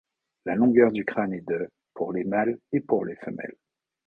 La longueur du crâne est de pour les mâles et pour les femelles.